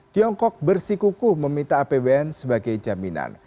tiongkok bersikukuh meminta apbn sebagai jaminan